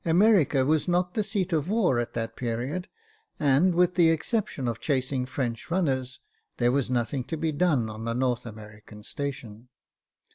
America was not the seat of war at that period, and, with the exception of chasing French runners, there was nothing to be done on the North American station.